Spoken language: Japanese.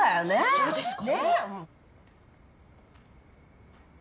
そうですか？